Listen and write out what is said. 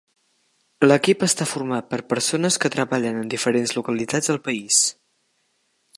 L'equip està format per persones que treballen en diferents localitats del país.